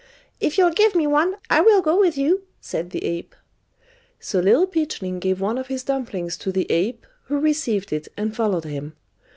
"If you'll give me one, I will go with you," said the ape. So Little Peachling gave one of his dumplings to the ape, who received it and followed him.